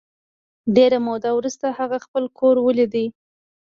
ډېره موده وروسته هغه خپل کور ولید